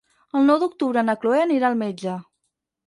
El nou d'octubre na Cloè anirà al metge.